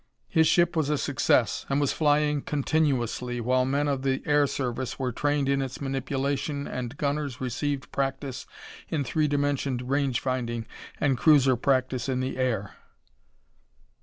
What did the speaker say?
His ship was a success, and was flying continuously, while men of the air service were trained in its manipulation and gunners received practice in three dimensioned range finding and cruiser practice in the air.